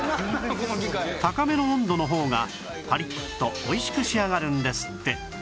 高めの温度の方がパリッと美味しく仕上がるんですって